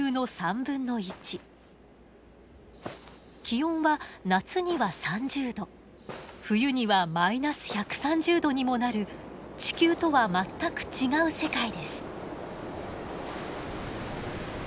気温は夏には３０℃冬には−１３０℃にもなる地球とは全く違う世界です。